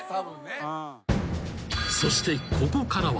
［そしてここからは］